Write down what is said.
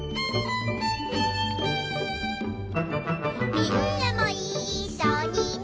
「みんなもいっしょにね」